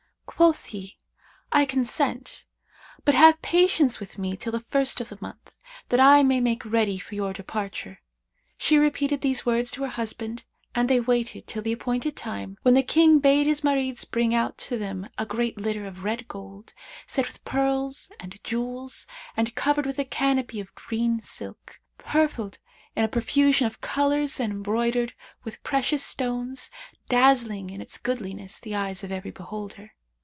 Quoth he, 'I consent; but have patience with me till the first of the month, that I may make ready for your departure.' She repeated these words to her husband and they waited till the appointed time, when the King bade his Marids bring out to them a great litter of red gold, set with pearls and jewels and covered with a canopy of green silk, purfled in a profusion of colours and embroidered with precious stones, dazzling with its goodliness the eyes of every beholder.